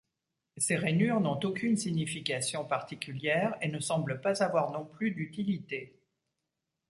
Ces rainures n'ont aucune signification particulière et ne semblent pas avoir non plus d'utilité.